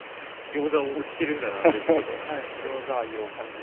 ギョーザを推してるんだなということで。